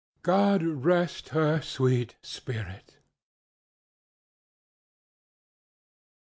God rest her sweet spirit!